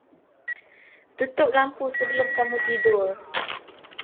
Tutup lampu sebelum kamu tidur.